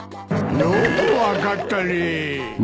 よく分かったね。